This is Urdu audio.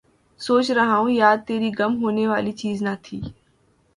سوچ رہا ہوں یاد تیری، گم ہونے والی چیز نہ تھی